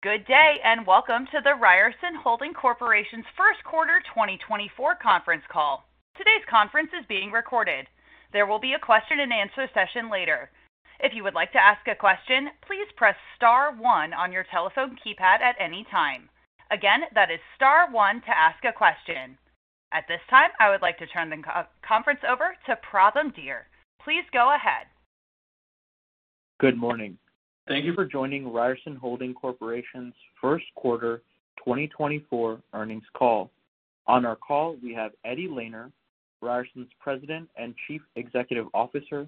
Good day and welcome to the Ryerson Holding Corporation's first quarter 2024 conference call. Today's conference is being recorded. There will be a Q&A session later. If you would like to ask a question, please press star one on your telephone keypad at any time. Again, that is star one to ask a question. At this time, I would like to turn the conference over to Pratham Dheer. Please go ahead. Good morning. Thank you for joining Ryerson Holding Corporation's first quarter 2024 earnings call. On our call we have Eddie Lehner, Ryerson's President and Chief Executive Officer,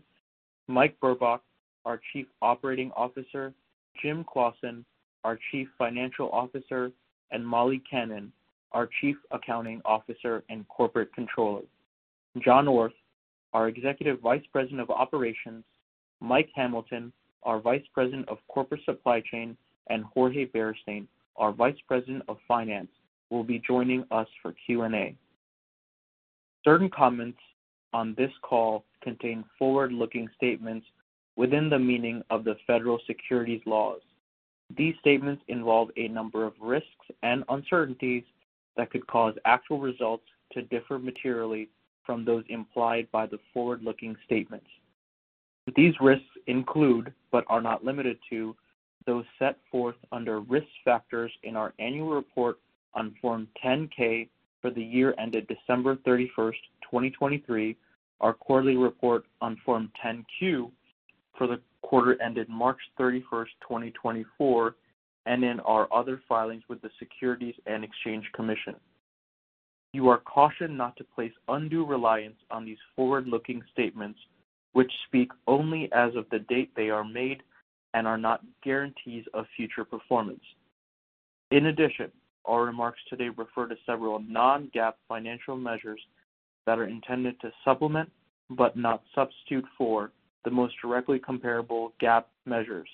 Mike Burbach, our Chief Operating Officer, Jim Claussen, our Chief Financial Officer, and Molly Kannan, our Chief Accounting Officer and Corporate Controller. John Orth, our Executive Vice President of Operations, Mike Hamilton, our Vice President of Corporate Supply Chain, and Jorge Beristain, our Vice President of Finance, will be joining us for Q&A. Certain comments on this call contain forward-looking statements within the meaning of the federal securities laws. These statements involve a number of risks and uncertainties that could cause actual results to differ materially from those implied by the forward-looking statements. These risks include, but are not limited to, those set forth under risk factors in our annual report on Form 10-K for the year ended December 31, 2023, our quarterly report on Form 10-Q for the quarter ended March 31, 2024, and in our other filings with the Securities and Exchange Commission. You are cautioned not to place undue reliance on these forward-looking statements, which speak only as of the date they are made and are not guarantees of future performance. In addition, our remarks today refer to several non-GAAP financial measures that are intended to supplement but not substitute for the most directly comparable GAAP measures.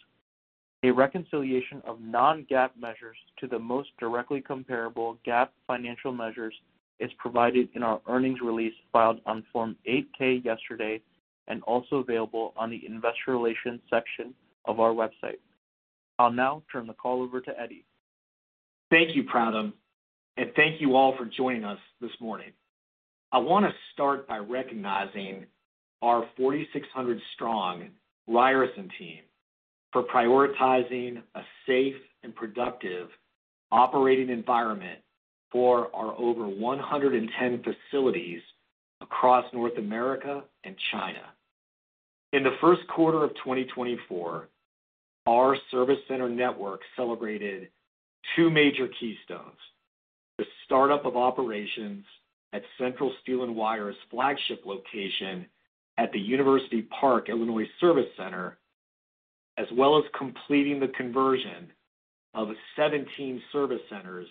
A reconciliation of non-GAAP measures to the most directly comparable GAAP financial measures is provided in our earnings release filed on Form 8-K yesterday and also available on the Investor Relations section of our website. I'll now turn the call over to Eddie. Thank you, Pratham, and thank you all for joining us this morning. I want to start by recognizing our 4,600-strong Ryerson team for prioritizing a safe and productive operating environment for our over 110 facilities across North America and China. In the first quarter of 2024, our service center network celebrated two major keystones: the startup of operations at Central Steel & Wire's flagship location at the University Park, Illinois service center, as well as completing the conversion of 17 service centers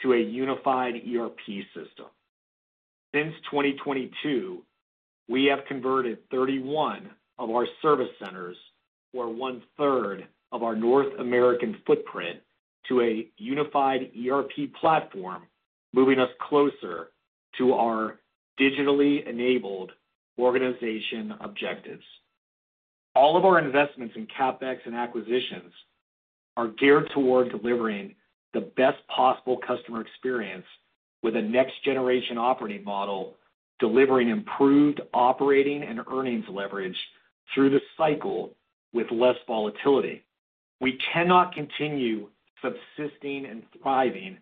to a unified ERP system. Since 2022, we have converted 31 of our service centers, or one-third of our North American footprint, to a unified ERP platform, moving us closer to our digitally enabled organization objectives. All of our investments in CapEx and acquisitions are geared toward delivering the best possible customer experience with a next-generation operating model, delivering improved operating and earnings leverage through the cycle with less volatility. We cannot continue subsisting and thriving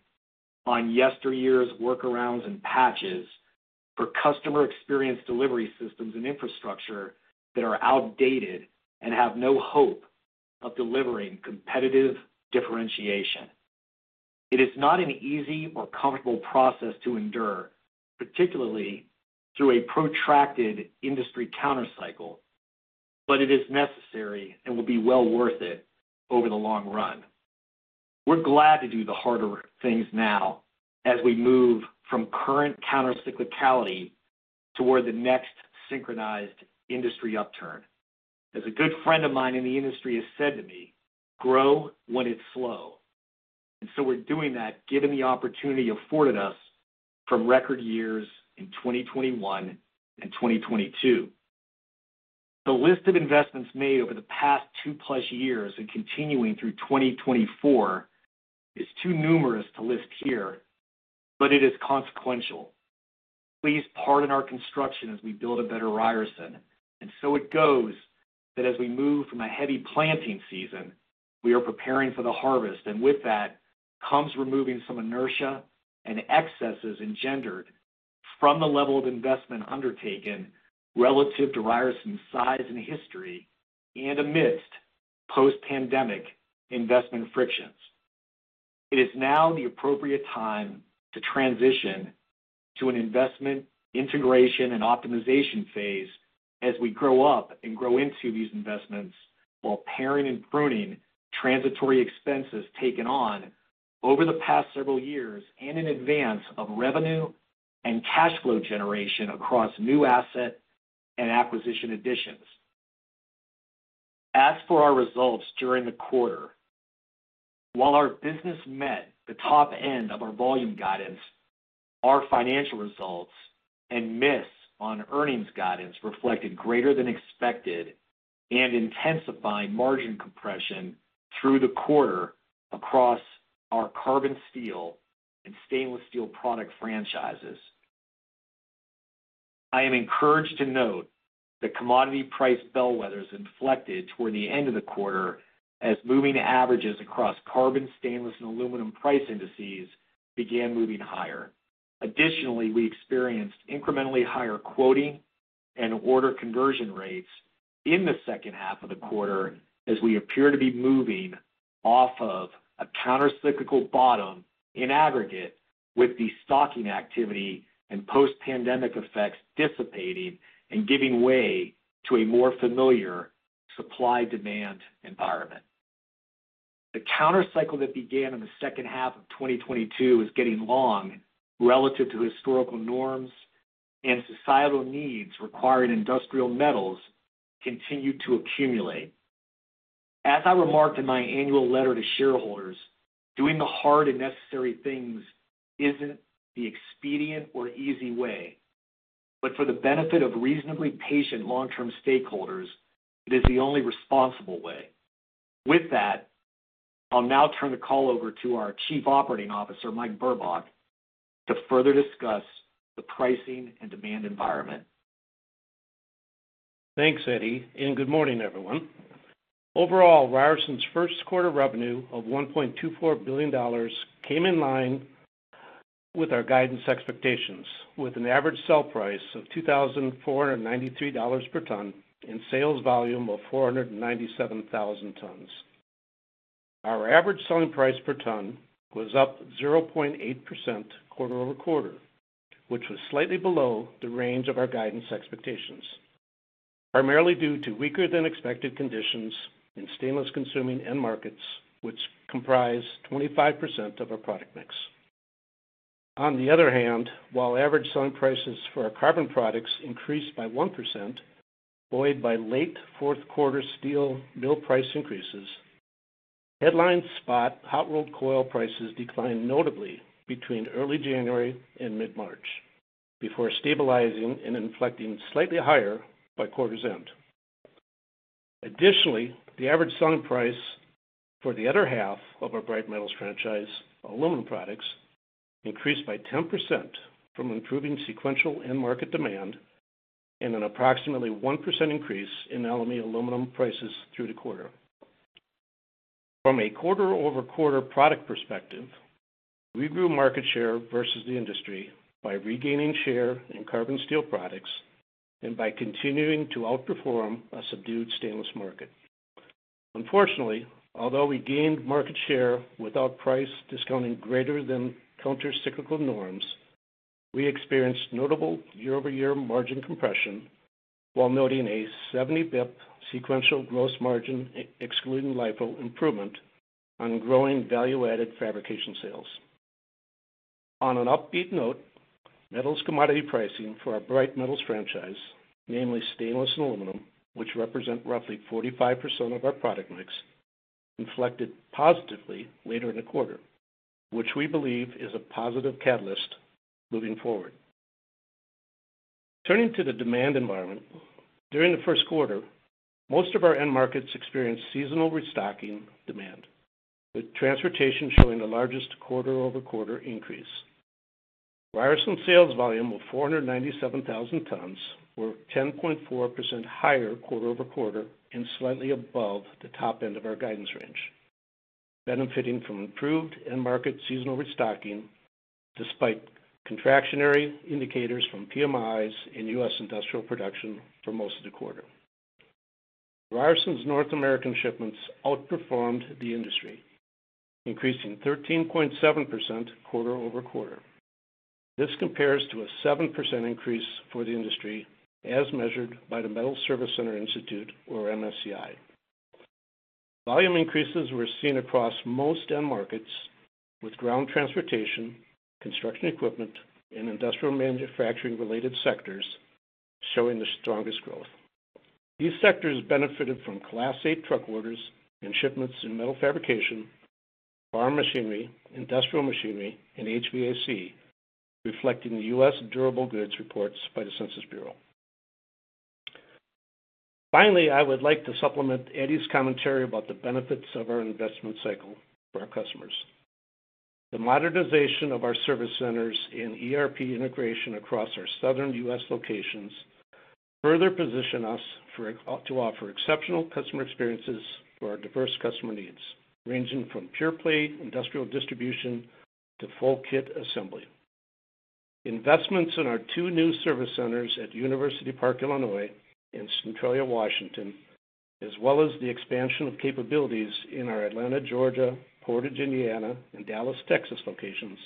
on yesteryear's workarounds and patches for customer experience delivery systems and infrastructure that are outdated and have no hope of delivering competitive differentiation. It is not an easy or comfortable process to endure, particularly through a protracted industry counter cycle, but it is necessary and will be well worth it over the long run. We're glad to do the harder things now as we move from current countercyclicality toward the next synchronized industry upturn. As a good friend of mine in the industry has said to me, "Grow when it's slow." And so, we're doing that given the opportunity afforded us from record years in 2021 and 2022. The list of investments made over the past two plus years and continuing through 2024 is too numerous to list here, but it is consequential. Please pardon our construction as we build a better Ryerson. And so it goes that as we move from a heavy planting season, we are preparing for the harvest, and with that comes removing some inertia and excesses engendered from the level of investment undertaken relative to Ryerson's size and history and amidst post-pandemic investment frictions. It is now the appropriate time to transition to an investment integration and optimization phase as we grow up and grow into these investments while paring and pruning transitory expenses taken on over the past several years and in advance of revenue and cash flow generation across new asset and acquisition additions. As for our results during the quarter, while our business met the top end of our volume guidance, our financial results and miss on earnings guidance reflected greater than expected and intensifying margin compression through the quarter across our carbon steel and stainless steel product franchises. I am encouraged to note that commodity price bellwethers inflected toward the end of the quarter as moving averages across carbon, stainless, and aluminum price indices began moving higher. Additionally, we experienced incrementally higher quoting and order conversion rates in the second half of the quarter as we appear to be moving off of a countercyclical bottom in aggregate with the stocking activity and post-pandemic effects dissipating and giving way to a more familiar supply-demand environment. The counter cycle that began in the second half of 2022 was getting long relative to historical norms and societal needs requiring industrial metals continued to accumulate. As I remarked in my annual letter to shareholders, doing the hard and necessary things isn't the expedient or easy way, but for the benefit of reasonably patient long-term stakeholders, it is the only responsible way. With that, I'll now turn the call over to our Chief Operating Officer, Mike Burbach, to further discuss the pricing and demand environment. Thanks, Eddie, and good morning, everyone. Overall, Ryerson's first quarter revenue of $1.24 billion came in line with our guidance expectations, with an average sell price of $2,493 per ton and sales volume of 497,000 tons. Our average selling price per ton was up 0.8% quarter-over-quarter, which was slightly below the range of our guidance expectations, primarily due to weaker-than-expected conditions in stainless-consuming end markets, which comprise 25% of our product mix. On the other hand, while average selling prices for our carbon products increased by 1% due to late fourth quarter steel mill price increases, headline spot hot-rolled coil prices declined notably between early January and mid-March before stabilizing and inflecting slightly higher by quarter's end. Additionally, the average selling price for the other half of our bright metals franchise, aluminum products, increased by 10% from improving sequential end-market demand and an approximately 1% increase in aluminum prices through the quarter. From a quarter-over-quarter product perspective, we grew market share versus the industry by regaining share in carbon steel products and by continuing to outperform a subdued stainless market. Unfortunately, although we gained market share without price discounting greater-than-countercyclical norms, we experienced notable year-over-year margin compression while noting a 70 basis points sequential gross margin excluding LIFO improvement on growing value-added fabrication sales. On an upbeat note, metals commodity pricing for our bright metals franchise, namely stainless and aluminum, which represent roughly 45% of our product mix, inflected positively later in the quarter, which we believe is a positive catalyst moving forward. Turning to the demand environment, during the first quarter, most of our end markets experienced seasonal restocking demand, with transportation showing the largest quarter-over-quarter increase. Ryerson sales volume of 497,000 tons were 10.4% higher quarter-over-quarter and slightly above the top end of our guidance range, benefiting from improved end-market seasonal restocking despite contractionary indicators from PMIs in U.S. industrial production for most of the quarter. Ryerson's North American shipments outperformed the industry, increasing 13.7% quarter-over-quarter. This compares to a 7% increase for the industry as measured by the Metals Service Center Institute, or MSCI. Volume increases were seen across most end markets, with ground transportation, construction equipment, and industrial manufacturing-related sectors showing the strongest growth. These sectors benefited from Class 8 truck orders and shipments in metal fabrication, farm machinery, industrial machinery, and HVAC, reflecting the U.S. Durable Goods reports by the Census Bureau. Finally, I would like to supplement Eddie's commentary about the benefits of our investment cycle for our customers. The modernization of our service centers and ERP integration across our southern U.S. locations further position us to offer exceptional customer experiences for our diverse customer needs, ranging from pure-play industrial distribution to full-kit assembly. Investments in our two new service centers at University Park, Illinois, and Centralia, Washington, as well as the expansion of capabilities in our Atlanta, Georgia, Portage, Indiana, and Dallas, Texas, locations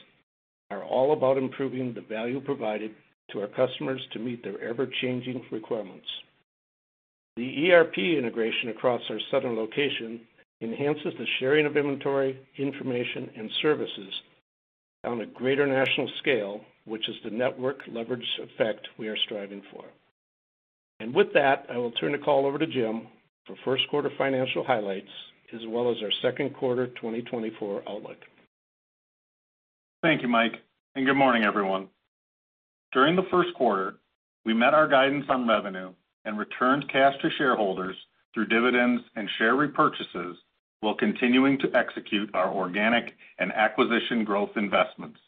are all about improving the value provided to our customers to meet their ever-changing requirements. The ERP integration across our southern location enhances the sharing of inventory, information, and services on a greater national scale, which is the network leverage effect we are striving for. With that, I will turn the call over to Jim for first quarter financial highlights as well as our second quarter 2024 outlook. Thank you, Mike, and good morning, everyone. During the first quarter, we met our guidance on revenue and returned cash to shareholders through dividends and share repurchases while continuing to execute our organic and acquisition growth investments.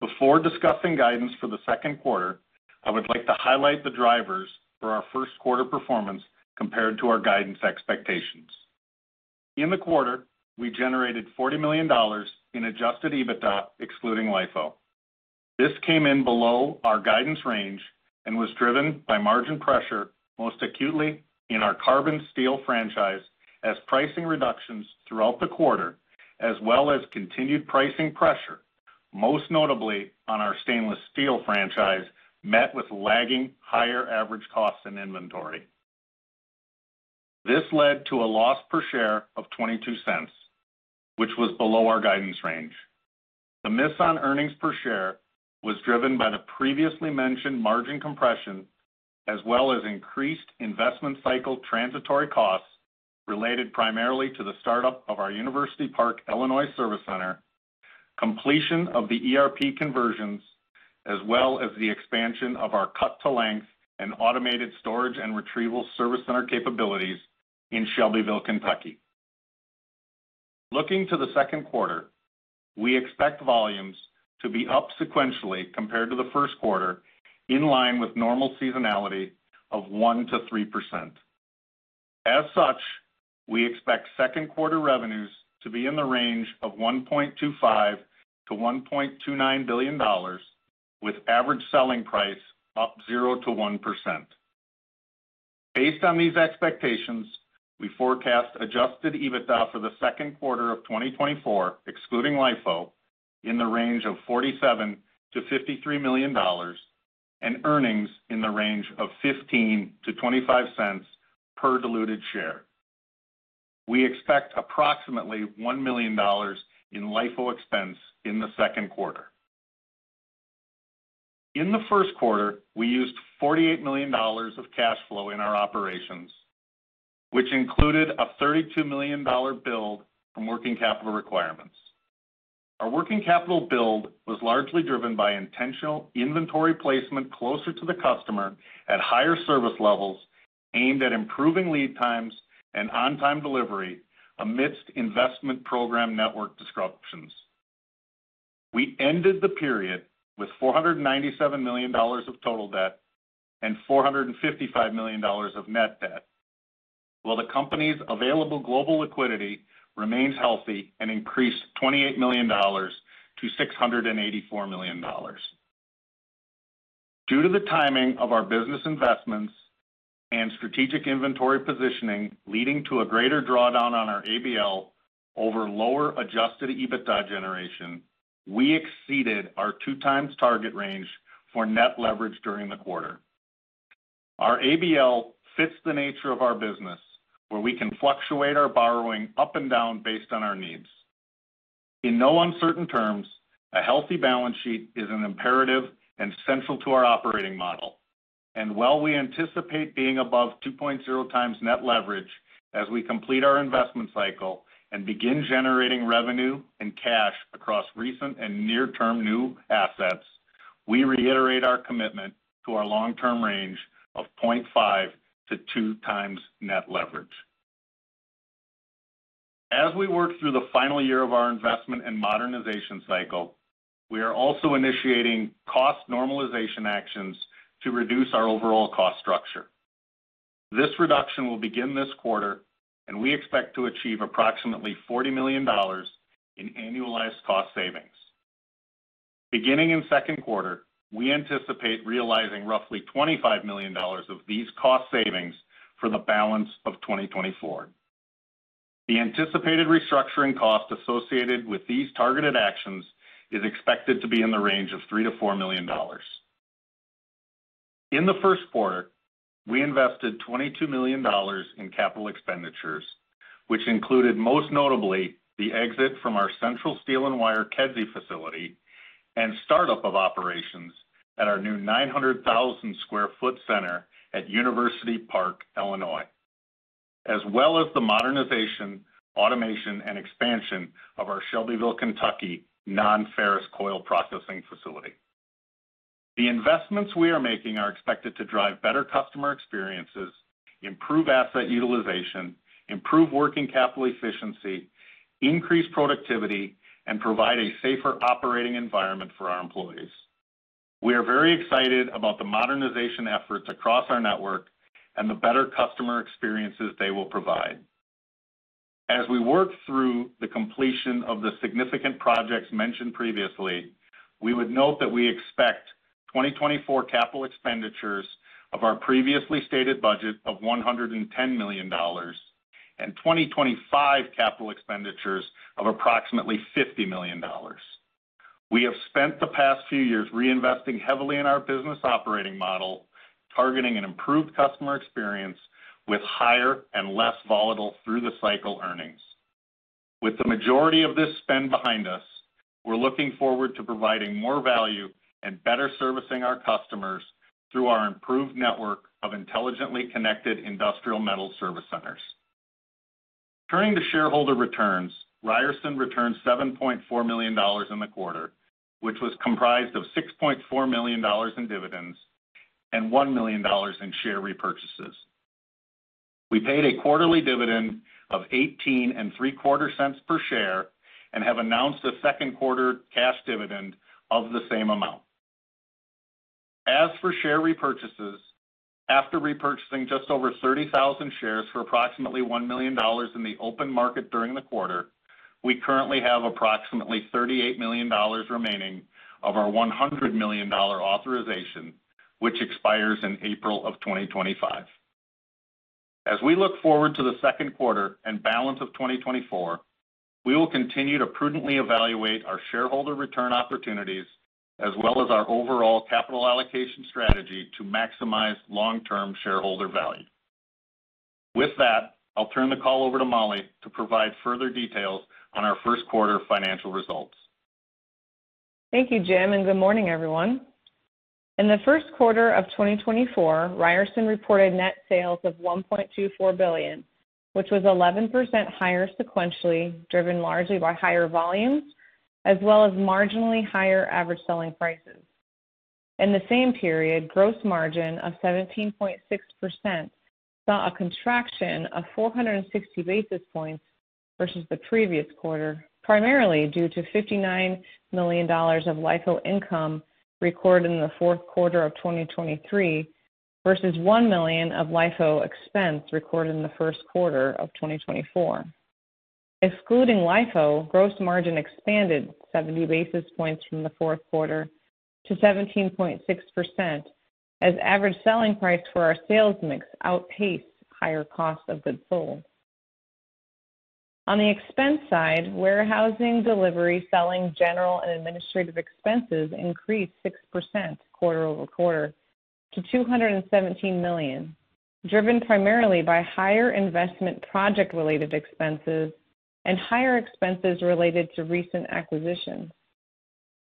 Before discussing guidance for the second quarter, I would like to highlight the drivers for our first quarter performance compared to our guidance expectations. In the quarter, we generated $40 million in adjusted EBITDA excluding LIFO. This came in below our guidance range and was driven by margin pressure most acutely in our carbon steel franchise as pricing reductions throughout the quarter as well as continued pricing pressure, most notably on our stainless steel franchise, met with lagging higher average costs in inventory. This led to a loss per share of $0.22, which was below our guidance range. The miss on earnings per share was driven by the previously mentioned margin compression as well as increased investment cycle transitory costs related primarily to the startup of our University Park, Illinois service center, completion of the ERP conversions, as well as the expansion of our cut-to-length and automated storage and retrieval service center capabilities in Shelbyville, Kentucky. Looking to the second quarter, we expect volumes to be up sequentially compared to the first quarter in line with normal seasonality of 1%-3%. As such, we expect second quarter revenues to be in the range of $1.25 billion-$1.29 billion, with average selling price up 0%-1%. Based on these expectations, we forecast adjusted EBITDA for the second quarter of 2024 excluding LIFO in the range of $47 million-$53 million and earnings in the range of $0.15-$0.25 per diluted share. We expect approximately $1 million in LIFO expense in the second quarter. In the first quarter, we used $48 million of cash flow in our operations, which included a $32 million build from working capital requirements. Our working capital build was largely driven by intentional inventory placement closer to the customer at higher service levels aimed at improving lead times and on-time delivery amidst investment program network disruptions. We ended the period with $497 million of total debt and $455 million of net debt, while the company's available global liquidity remains healthy and increased $28 million-$684 million. Due to the timing of our business investments and strategic inventory positioning leading to a greater drawdown on our ABL over lower adjusted EBITDA generation, we exceeded our 2x target range for net leverage during the quarter. Our ABL fits the nature of our business, where we can fluctuate our borrowing up and down based on our needs. In no uncertain terms, a healthy balance sheet is an imperative and central to our operating model. And while we anticipate being above 2.0x net leverage as we complete our investment cycle and begin generating revenue and cash across recent and near-term new assets, we reiterate our commitment to our long-term range of 0.5x-2x net leverage. As we work through the final year of our investment and modernization cycle, we are also initiating cost normalization actions to reduce our overall cost structure. This reduction will begin this quarter, and we expect to achieve approximately $40 million in annualized cost savings. Beginning in second quarter, we anticipate realizing roughly $25 million of these cost savings for the balance of 2024. The anticipated restructuring cost associated with these targeted actions is expected to be in the range of $3 million-$4 million. In the first quarter, we invested $22 million in capital expenditures, which included most notably the exit from our Central Steel & Wire Kedzie facility and startup of operations at our new 900,000 sq ft center at University Park, Illinois, as well as the modernization, automation, and expansion of our Shelbyville, Kentucky non-ferrous coil processing facility. The investments we are making are expected to drive better customer experiences, improve asset utilization, improve working capital efficiency, increase productivity, and provide a safer operating environment for our employees. We are very excited about the modernization efforts across our network and the better customer experiences they will provide. As we work through the completion of the significant projects mentioned previously, we would note that we expect 2024 capital expenditures of our previously stated budget of $110 million and 2025 capital expenditures of approximately $50 million. We have spent the past few years reinvesting heavily in our business operating model, targeting an improved customer experience with higher and less volatile through-the-cycle earnings. With the majority of this spend behind us, we're looking forward to providing more value and better servicing our customers through our improved network of intelligently connected industrial metals service centers. Turning to shareholder returns, Ryerson returned $7.4 million in the quarter, which was comprised of $6.4 million in dividends and $1 million in share repurchases. We paid a quarterly dividend of $0.1875 per share and have announced a second quarter cash dividend of the same amount. As for share repurchases, after repurchasing just over 30,000 shares for approximately $1 million in the open market during the quarter, we currently have approximately $38 million remaining of our $100 million authorization, which expires in April of 2025. As we look forward to the second quarter and balance of 2024, we will continue to prudently evaluate our shareholder return opportunities as well as our overall capital allocation strategy to maximize long-term shareholder value. With that, I'll turn the call over to Molly to provide further details on our first quarter financial results. Thank you, Jim, and good morning, everyone. In the first quarter of 2024, Ryerson reported net sales of $1.24 billion, which was 11% higher sequentially, driven largely by higher volumes as well as marginally higher average selling prices. In the same period, gross margin of 17.6% saw a contraction of 460 basis points versus the previous quarter, primarily due to $59 million of LIFO income recorded in the fourth quarter of 2023 versus $1 million of LIFO expense recorded in the first quarter of 2024. Excluding LIFO, gross margin expanded 70 basis points from the fourth quarter to 17.6%, as average selling price for our sales mix outpaced higher cost of goods sold. On the expense side, warehousing, delivery, selling, general and administrative expenses increased 6% quarter-over-quarter to $217 million, driven primarily by higher investment project-related expenses and higher expenses related to recent acquisitions.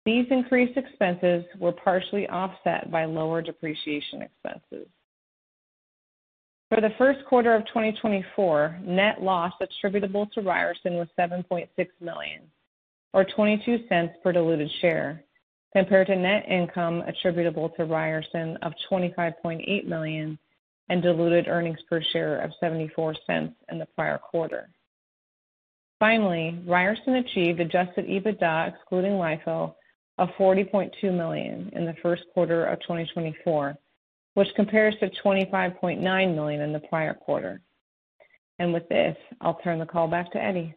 These increased expenses were partially offset by lower depreciation expenses. For the first quarter of 2024, net loss attributable to Ryerson was $7.6 million, or $0.22 per diluted share, compared to net income attributable to Ryerson of $25.8 million and diluted earnings per share of $0.74 in the prior quarter. Finally, Ryerson achieved adjusted EBITDA excluding LIFO of $40.2 million in the first quarter of 2024, which compares to $25.9 million in the prior quarter. With this, I'll turn the call back to Eddie.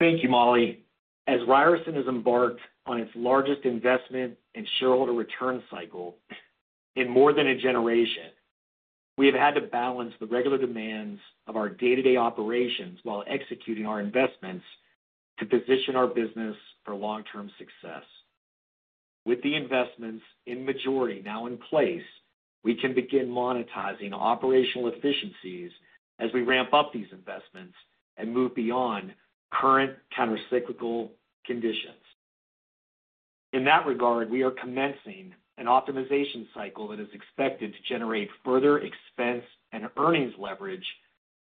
Thank you, Molly. As Ryerson has embarked on its largest investment and shareholder return cycle in more than a generation, we have had to balance the regular demands of our day-to-day operations while executing our investments to position our business for long-term success. With the investments in majority now in place, we can begin monetizing operational efficiencies as we ramp up these investments and move beyond current countercyclical conditions. In that regard, we are commencing an optimization cycle that is expected to generate further expense and earnings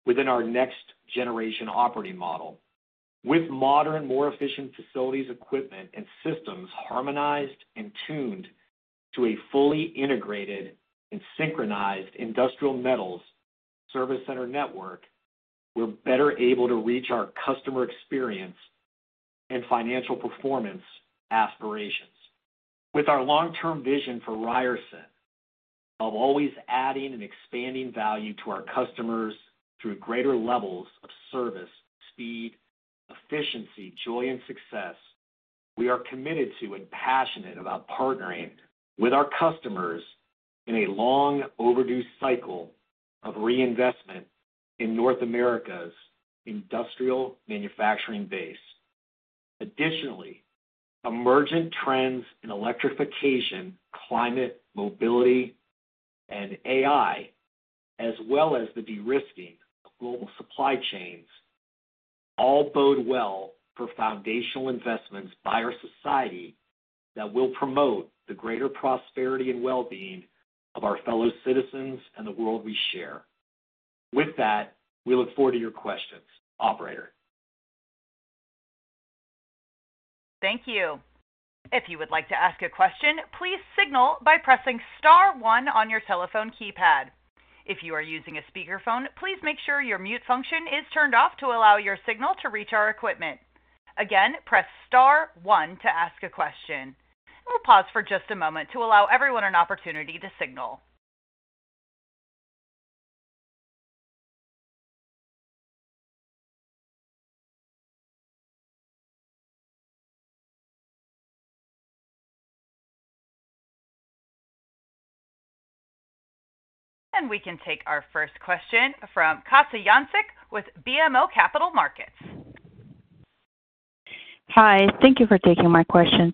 leverage within our next-generation operating model. With modern, more efficient facilities, equipment, and systems harmonized and tuned to a fully integrated and synchronized industrial metals service center network, we're better able to reach our customer experience and financial performance aspirations. With our long-term vision for Ryerson of always adding and expanding value to our customers through greater levels of service, speed, efficiency, joy, and success, we are committed to and passionate about partnering with our customers in a long overdue cycle of reinvestment in North America's industrial manufacturing base. Additionally, emergent trends in electrification, climate, mobility, and AI, as well as the de-risking of global supply chains, all bode well for foundational investments by our society that will promote the greater prosperity and well-being of our fellow citizens and the world we share. With that, we look forward to your questions, operator. Thank you. If you would like to ask a question, please signal by pressing star one on your telephone keypad. If you are using a speakerphone, please make sure your mute function is turned off to allow your signal to reach our equipment. Again, press star one to ask a question. We'll pause for just a moment to allow everyone an opportunity to signal. We can take our first question from Katja Jancic with BMO Capital Markets. Hi. Thank you for taking my questions.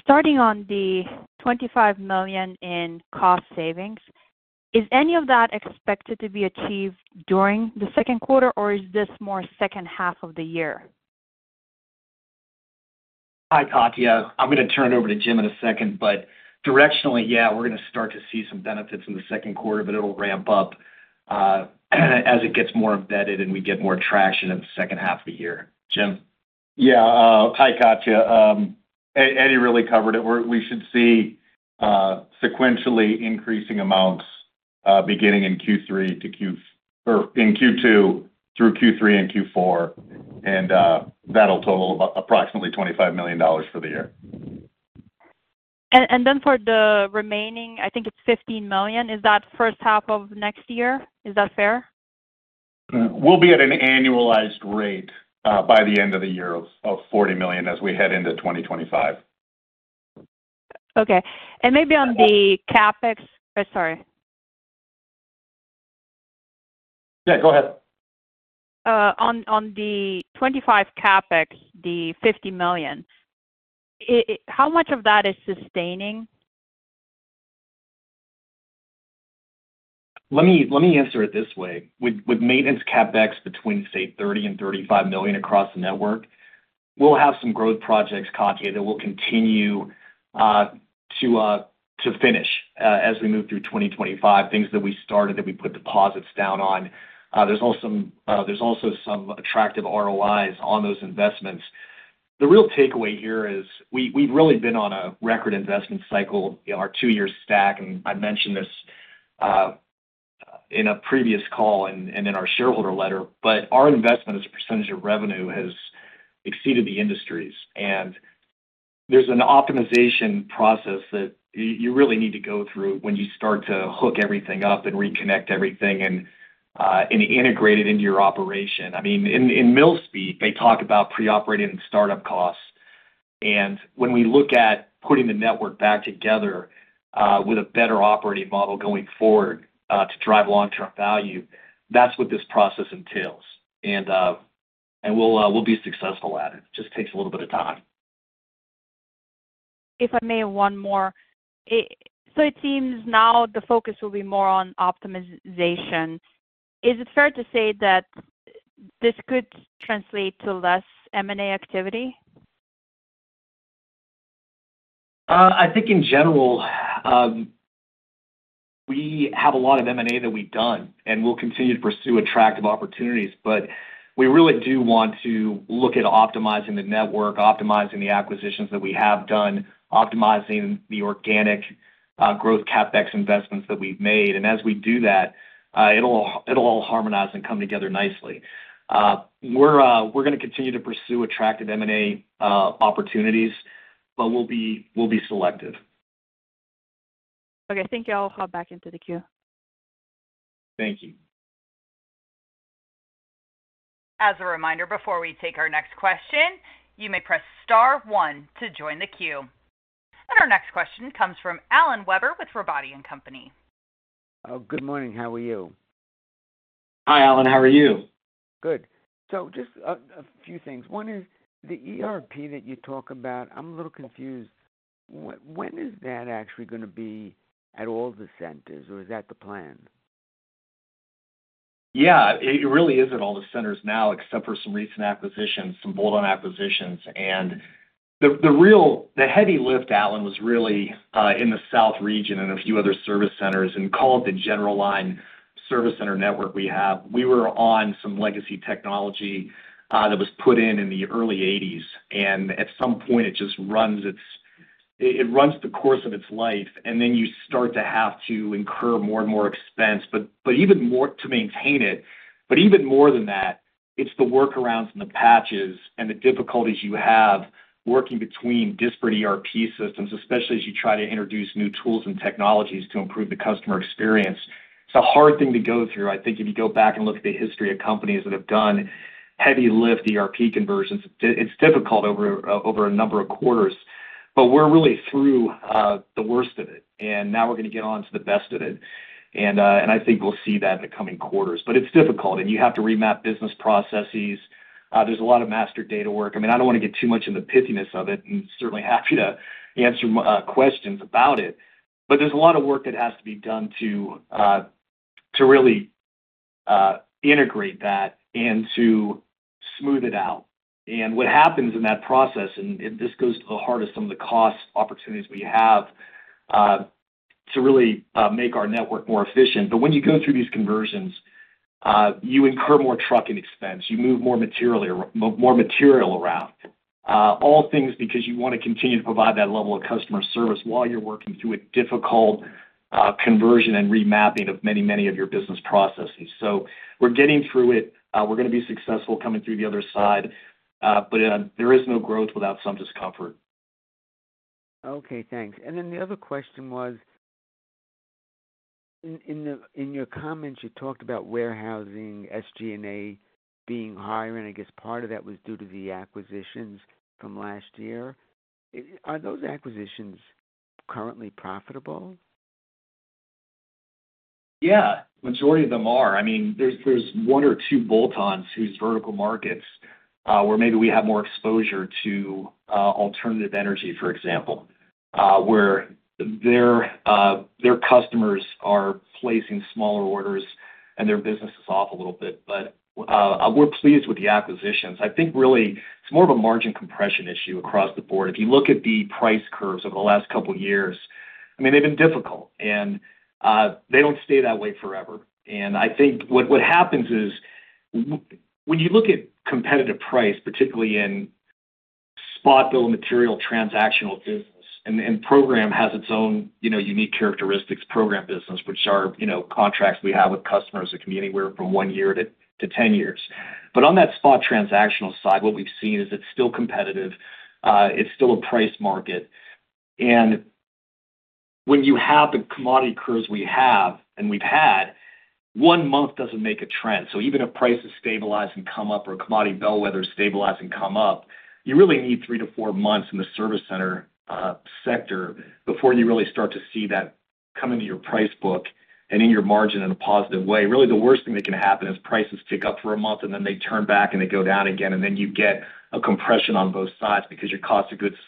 Starting on the $25 million in cost savings, is any of that expected to be achieved during the second quarter, or is this more second half of the year? Hi, Katja. I'm going to turn it over to Jim in a second, but directionally, yeah, we're going to start to see some benefits in the second quarter, but it'll ramp up as it gets more embedded and we get more traction in the second half of the year. Jim? Yeah. Hi, Katja. Eddie really covered it. We should see sequentially increasing amounts beginning in Q3-Q or in Q2 through Q3 and Q4, and that'll total approximately $25 million for the year. And then for the remaining, I think it's $15 million. Is that first half of next year? Is that fair? We'll be at an annualized rate by the end of the year of $40 million as we head into 2025. Okay. Maybe on the CapEx, oh, sorry. Yeah, go ahead. On the $25 million CapEx, the $50 million, how much of that is sustaining? Let me answer it this way. With maintenance CapEx between, say, $30 million and $35 million across the network, we'll have some growth projects, Katja, that will continue to finish as we move through 2025, things that we started that we put deposits down on. There's also some attractive ROIs on those investments. The real takeaway here is we've really been on a record investment cycle, our two-year stack, and I mentioned this in a previous call and in our shareholder letter, but our investment as a percentage of revenue has exceeded the industries. And there's an optimization process that you really need to go through when you start to hook everything up and reconnect everything and integrate it into your operation. I mean, in mill speak, they talk about pre-operating and startup costs. When we look at putting the network back together with a better operating model going forward to drive long-term value, that's what this process entails. We'll be successful at it. It just takes a little bit of time. If I may, one more. So it seems now the focus will be more on optimization. Is it fair to say that this could translate to less M&A activity? I think, in general, we have a lot of M&A that we've done, and we'll continue to pursue attractive opportunities. But we really do want to look at optimizing the network, optimizing the acquisitions that we have done, optimizing the organic growth CapEx investments that we've made. And as we do that, it'll all harmonize and come together nicely. We're going to continue to pursue attractive M&A opportunities, but we'll be selective. Okay. Thank you. I'll hop back into the queue. Thank you. As a reminder, before we take our next question, you may press star one to join the queue. Our next question comes from Alan Weber with Robotti & Company. Oh, good morning. How are you? Hi, Alan. How are you? Good. So just a few things. One is the ERP that you talk about, I'm a little confused. When is that actually going to be at all the centers, or is that the plan? Yeah. It really is at all the centers now except for some recent acquisitions, some bolt-on acquisitions. The heavy lift, Alan, was really in the south region and a few other service centers. Call it the general line service center network we have. We were on some legacy technology that was put in in the early 1980s. At some point, it just runs the course of its life, and then you start to have to incur more and more expense, but even more to maintain it. But even more than that, it's the workarounds and the patches and the difficulties you have working between disparate ERP systems, especially as you try to introduce new tools and technologies to improve the customer experience. It's a hard thing to go through. I think if you go back and look at the history of companies that have done heavy lift ERP conversions, it's difficult over a number of quarters. We're really through the worst of it, and now we're going to get on to the best of it. I think we'll see that in the coming quarters. It's difficult, and you have to remap business processes. There's a lot of master data work. I mean, I don't want to get too much in the pithiness of it and certainly happy to answer questions about it. There's a lot of work that has to be done to really integrate that and to smooth it out. What happens in that process, and this goes to the heart of some of the cost opportunities we have to really make our network more efficient. But when you go through these conversions, you incur more trucking expense. You move more material around, all things because you want to continue to provide that level of customer service while you're working through a difficult conversion and remapping of many, many of your business processes. So we're getting through it. We're going to be successful coming through the other side, but there is no growth without some discomfort. Okay. Thanks. And then the other question was, in your comments, you talked about warehousing, SG&A being higher. I guess part of that was due to the acquisitions from last year. Are those acquisitions currently profitable? Yeah. Majority of them are. I mean, there's one or two bolt-ons whose vertical markets where maybe we have more exposure to alternative energy, for example, where their customers are placing smaller orders, and their business is off a little bit. But we're pleased with the acquisitions. I think really it's more of a margin compression issue across the board. If you look at the price curves over the last couple of years, I mean, they've been difficult, and they don't stay that way forever. And I think what happens is when you look at competitive price, particularly in spot bill of material transactional business and program has its own unique characteristics, program business, which are contracts we have with customers that can be anywhere from one year to 10 years. But on that spot transactional side, what we've seen is it's still competitive. It's still a price market. When you have the commodity curves we have and we've had, one month doesn't make a trend. So even if prices stabilize and come up or commodity bellwethers stabilize and come up, you really need three months-four months in the service center sector before you really start to see that come into your price book and in your margin in a positive way. Really, the worst thing that can happen is prices tick up for one month, and then they turn back, and they go down again, and then you get a compression on both sides because your cost of goods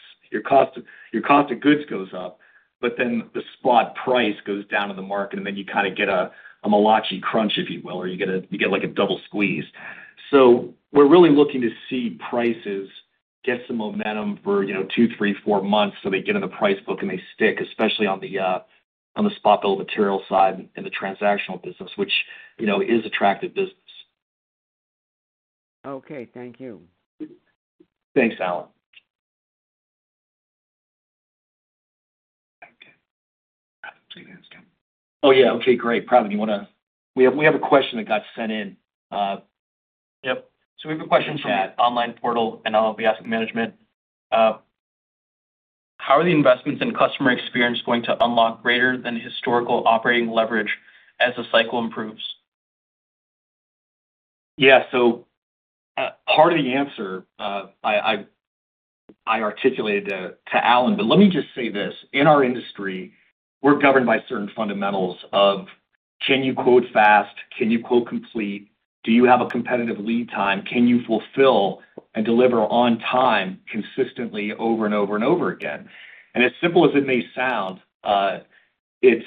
goes up, but then the spot price goes down in the market, and then you kind of get a Malachi Crunch, if you will, or you get a double squeeze. We're really looking to see prices get some momentum for two, three, four months so they get in the price book and they stick, especially on the spot bill of material side and the transactional business, which is attractive business. Okay. Thank you. Thanks, Alan. Oh, yeah. Okay. Great. We have a question that got sent in. Yep. So we have a question from online portal, and I'll be asking management. How are the investments in customer experience going to unlock greater than historical operating leverage as the cycle improves? Yeah. So part of the answer I articulated to Alan, but let me just say this. In our industry, we're governed by certain fundamentals of can you quote fast? Can you quote complete? Do you have a competitive lead time? Can you fulfill and deliver on time consistently over and over and over again? And as simple as it may sound, it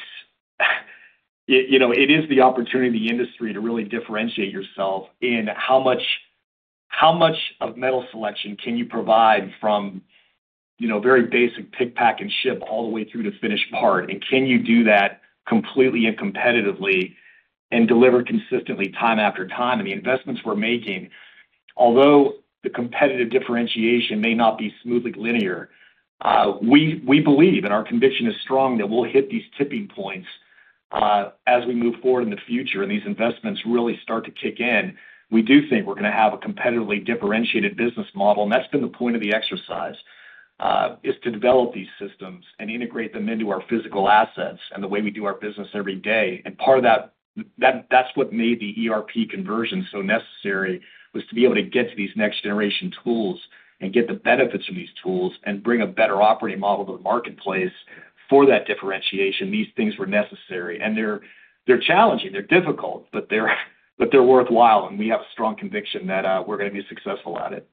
is the opportunity of the industry to really differentiate yourself in how much of metal selection can you provide from very basic pick, pack, and ship all the way through to finished part? And can you do that completely and competitively and deliver consistently time after time? The investments we're making, although the competitive differentiation may not be smoothly linear, we believe, and our conviction is strong that we'll hit these tipping points as we move forward in the future and these investments really start to kick in. We do think we're going to have a competitively differentiated business model. That's been the point of the exercise, is to develop these systems and integrate them into our physical assets and the way we do our business every day. Part of that, that's what made the ERP conversion so necessary, was to be able to get to these next-generation tools and get the benefits from these tools and bring a better operating model to the marketplace for that differentiation. These things were necessary. They're challenging. They're difficult, but they're worthwhile. We have a strong conviction that we're going to be successful at it.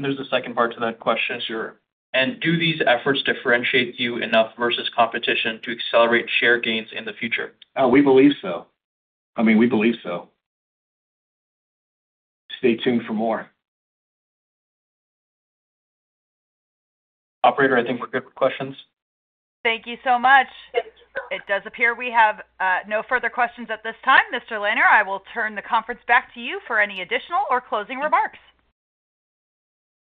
There's a second part to that question. Sure. Do these efforts differentiate you enough versus competition to accelerate share gains in the future? We believe so. I mean, we believe so. Stay tuned for more. Operator, I think we're good with questions. Thank you so much. It does appear we have no further questions at this time. Mr. Lehner, I will turn the conference back to you for any additional or closing remarks.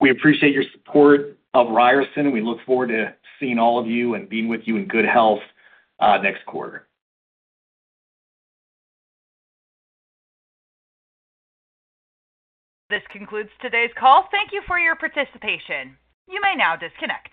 We appreciate your support of Ryerson, and we look forward to seeing all of you and being with you in good health next quarter. This concludes today's call. Thank you for your participation. You may now disconnect.